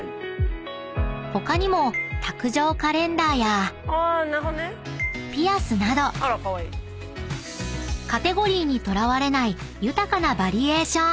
［他にも卓上カレンダーやピアスなどカテゴリーにとらわれない豊かなバリエーション］